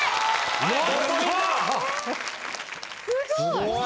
すごい！